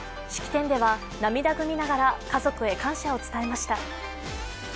式典では涙ぐみながら家族に感謝を伝えました。